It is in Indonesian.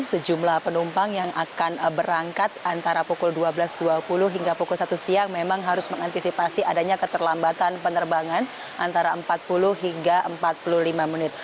sejumlah penumpang yang akan berangkat antara pukul dua belas dua puluh hingga pukul satu siang memang harus mengantisipasi adanya keterlambatan penerbangan antara empat puluh hingga empat puluh lima menit